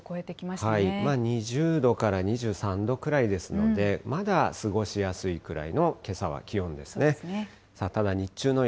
２０度から２３度くらいですので、まだ過ごしやすいくらいのけさは気温ですね。